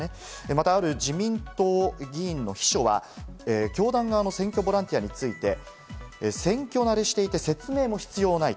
またある自民党議員の秘書は、教団側の選挙ボランティアについて選挙慣れしていて、説明も必要ない。